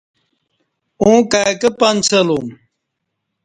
اوں کائ کہ پنڅہ لوم